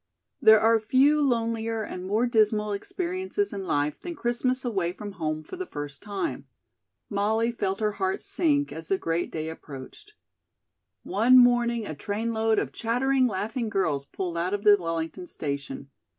There are few lonelier and more dismal experiences in life than Christmas away from home for the first time. Molly felt her heart sink as the great day approached. One morning a trainload of chattering, laughing girls pulled out of the Wellington station.